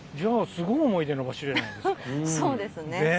すごい思い出の場所じゃないですか。